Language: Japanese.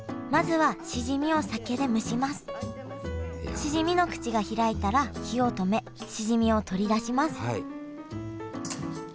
まずはしじみの口が開いたら火を止めしじみを取り出します